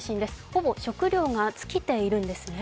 ほぼ食料が尽きているんですね。